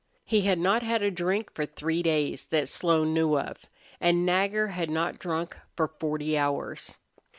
He had not had a drink for three days that Slone knew of. And Nagger had not drunk for forty hours.